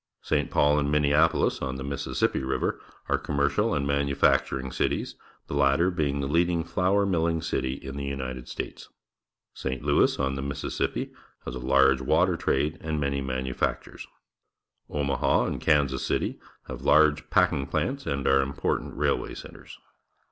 St. Paul and Minneapolis on the Mississippi River are commercial and manu facturing cities, the latter being the leading flour milling city in the United States. St. Louis, on the Mississippi, has a large water 138 PUBLIC SCHOOL GEOGRAPHY trade and many manufactures. Omaha and Kansas City have large packing plants and are important railway centres.